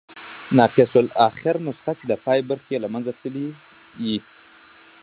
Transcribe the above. ناقص الاخرنسخه، چي د پای برخي ئې له منځه تللي يي.